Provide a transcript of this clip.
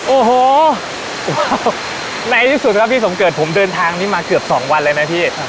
โอ้โหในที่สุดครับพี่สมเกิดผมเดินทางนี้มาเกือบ๒วันเลยนะพี่